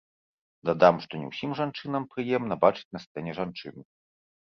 Дадам, што не ўсім жанчынам прыемна бачыць на сцэне жанчыну.